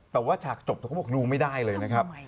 แต่ว่าฉากจบแต่เขาบอกดูไม่ได้เลยนะครับ